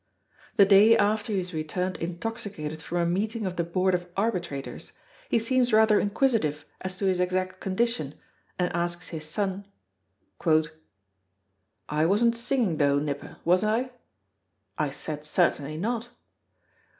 The day after he has returned intoxicated from a meeting of the Board of Arbitrators, he seems rather inquisitive as to his exact condition, and asks his son: "I wasn't singin' though, Nipper, was I?" I said certainly not!